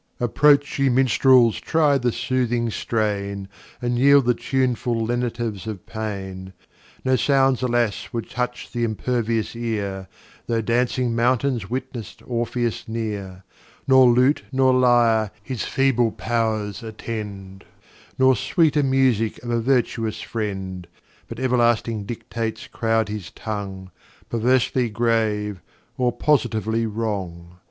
Approach, ye Minstrels, try the soothing Strain, And yield the tuneful Lenitives of Pain: No Sounds alas would touch th' impervious Ear, Though dancing Mountains witness'd Orpheus near; Nor Lute nor Lyre his feeble Pow'rs attend, Nor sweeter Musick of a virtuous Friend, But everlasting Dictates croud his Tongue, Perversely grave, or positively wrong.